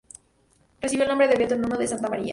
Recibió el nombre de "Beato Nuno de Santa María".